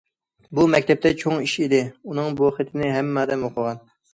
بۇ مەكتەپتە چوڭ ئىش ئىدى، ئۇنىڭ بۇ خېتىنى ھەممە ئادەم ئوقۇغان.